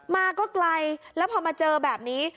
มาก็ไกลแล้วพอมาเจอแบบนี้